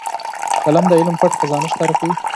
قلم د علم پټ خزانه ښکاره کوي